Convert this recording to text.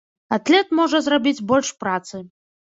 Атлет можа зрабіць больш працы.